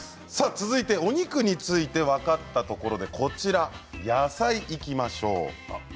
続いてはお肉について分かったところで野菜にいきましょう。